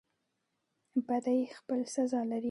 بدی خپل سزا لري